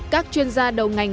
các chuyên gia đầu ngành